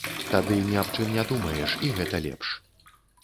Тады ні аб чым не думаеш, і гэта лепш.